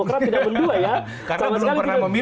karena belum pernah memilih begitu ya